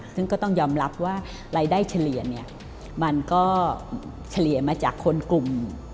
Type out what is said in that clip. ซึ่งก็ต้องยอมรับว่ารายได้เฉลี่ยเนี่ยมันก็เฉลี่ยมาจากคนกลุ่ม